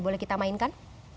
boleh kita mainkan